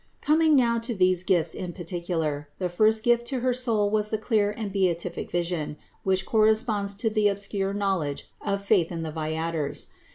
163. Coming now to these gifts in particular, the first gift to her soul was the clear and beatific vision, which corresponds to the obscure knowledge of faith in the viators.